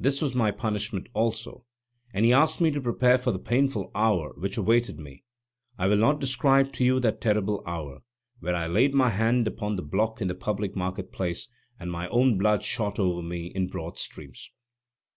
This was my punishment also, and he asked me to prepare for the painful hour which awaited me. I will not describe to you that terrible hour, when I laid my hand upon the block in the public market place and my own blood shot over me in broad streams.